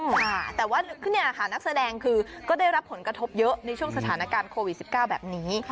ค่ะแต่ว่านี่ค่ะนักแสดงคือก็ได้รับผลกระทบเยอะในช่วงสถานการณ์โควิด๑๙แบบนี้